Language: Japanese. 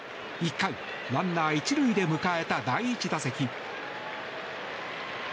１回ランナー１塁で迎えた第１打席。